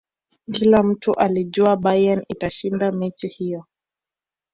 kila mtu alijua bayern itashinda mechi hiyo